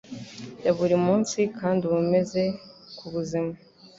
ya buri munsi, kandi aba meza ku buzima